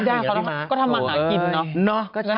ไม่ได้เพราะว่าก็ทำมาหากินเนอะ